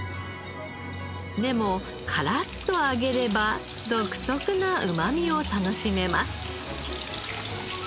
根もカラッと揚げれば独特なうまみを楽しめます。